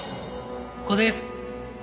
ここです。